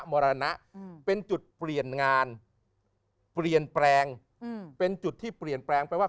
มรณะเป็นจุดเปลี่ยนงานเปลี่ยนแปลงอืมเป็นจุดที่เปลี่ยนแปลงไปว่า